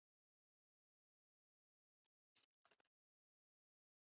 属始安郡。